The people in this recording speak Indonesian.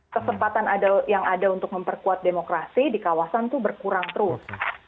kesempatan yang ada untuk memperkuat demokrasi di kawasan itu berkurang terus